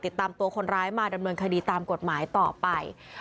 ติดตามตัวคนร้ายมาดำเนินคดีตามกฎหมายต่อไป